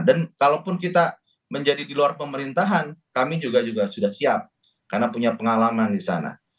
dan kalaupun kita menjadi di luar pemerintahan kami juga sudah siap karena punya pengalaman di sana